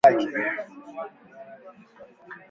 kutolewa na kiongozi wa hadhi yaki